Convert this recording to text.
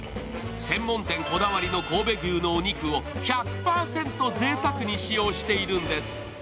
専門店こだわりの神戸牛のお肉を１００％ぜいたくに使用しているんです。